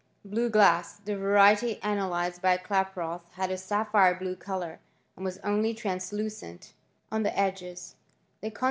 Blue glass. The variety analyzed by Klaproth had a sapphire blue colour^ and was only translucent •• Beitrage, vi.